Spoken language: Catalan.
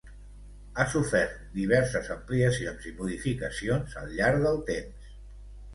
Ha sofert diverses ampliacions i modificacions al llarg del temps.